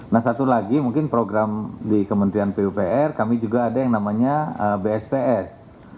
nah satu lagi mungkin program di kementerian pupr kami juga ada yang namanya bsps